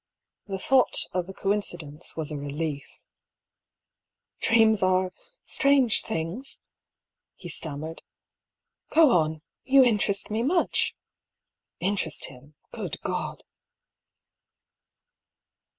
The thought of a coincidence was a relief, " Dreams are strange things," he stammered, " Go on, you interest me much I " (Interest him— good God!)